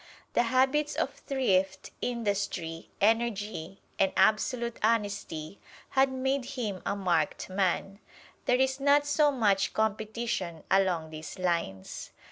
The habits of thrift, industry, energy and absolute honesty had made him a marked man there is not so much competition along these lines.